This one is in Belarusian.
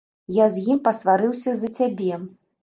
Я з ім пасварыўся з-за цябе.